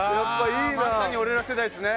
まさに俺ら世代ですね。